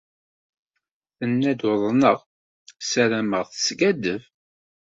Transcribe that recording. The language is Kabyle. Tenna-d uḍneɣ, sarameɣ teskaddeb.